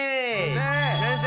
先生。